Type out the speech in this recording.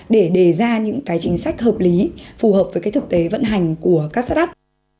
để đề ra những cái chính sách hợp lý phù hợp với cái thực tế vận hành của các start up